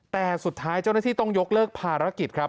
แต่สุดท้ายเจ้าหน้าที่ต้องยกเลิกภารกิจครับ